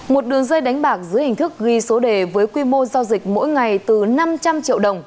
một đường dây đánh bạc dưới hình thức ghi số đề với quy mô giao dịch mỗi ngày từ năm trăm linh triệu đồng